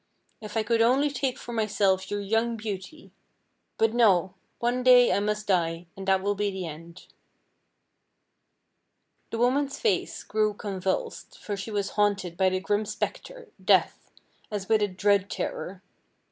If I could only take for myself your young beauty! But, no! one day I must die, and that will be the end." The woman's face grew convulsed for she was haunted by the grim specter, Death, as with a dread terror.